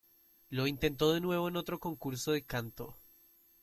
Lo intentó de nuevo en otro concurso de canto.